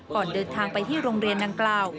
ก่อนเดินทางไปที่โรงเรียนดังกล่าว